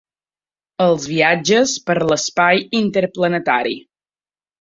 Els viatges per l'espai interplanetari.